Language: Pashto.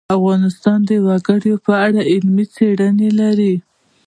افغانستان د وګړي په اړه علمي څېړنې لري.